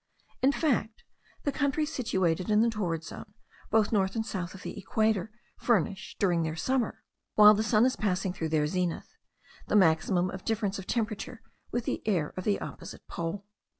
In fact, the countries situated in the torrid zone, both north and south of the equator, furnish, during their summer, while the sun is passing through their zenith, the maximum of difference of temperature with the air of the opposite pole.